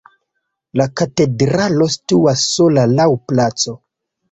La katedralo situas sola laŭ placo.